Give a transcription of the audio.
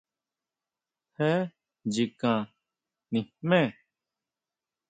Jé nchikan nijme.